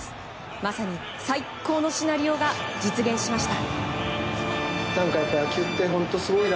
まさに最高のシナリオが実現しました。